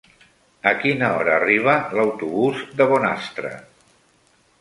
A quina hora arriba l'autobús de Bonastre?